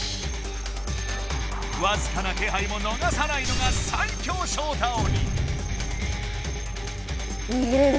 わずかなけはいも逃さないのが最強ショウタ鬼。